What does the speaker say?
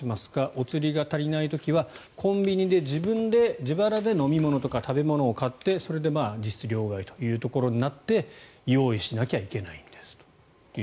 お釣りが足りない時はコンビニで自分で自腹で食べ物とか飲み物を買ってそれで実質、両替というところになって用意しなきゃいけないんですと。